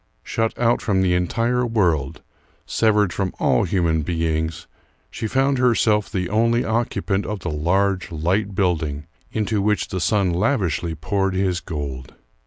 Shut out from the entire world, severed from all human beings, she found herself the only occupant of the large, light building, into which the sun lavishly poured his gold.